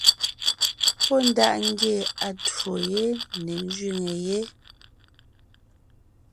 Pɔ́ ndaʼ ngie atwó yé ne ńzẅíŋe yé.